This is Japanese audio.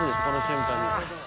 この瞬間に。